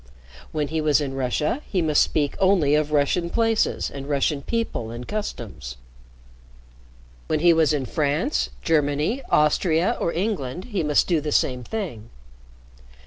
When he was in Russia, he must speak only of Russian places and Russian people and customs. When he was in France, Germany, Austria, or England, he must do the same thing.